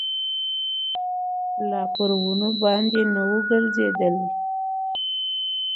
لا پر ونو باندي نه ووګرځېدلی